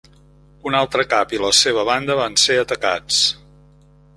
Un altre cap i la seva banda van ser atacats.